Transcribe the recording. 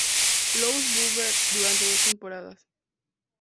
Louis Bombers durante dos temporadas.